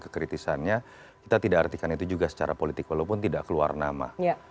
kekritisannya kita tidak artikan itu juga secara politik walaupun tidak keluar nama